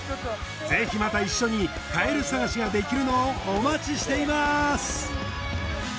ぜひまた一緒にカエル探しができるのをお待ちしています。